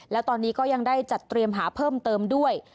แล้วตอนนี้ก็ยังได้จัดเตรียมหาเพิ่มเติมด้วย